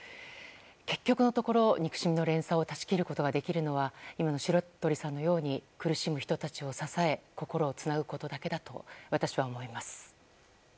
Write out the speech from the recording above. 結局のところ憎しみの連鎖を断ち切ることができるのは今の白鳥さんのように苦しむ人たちを支え心をつなぐことだけだと私は思います。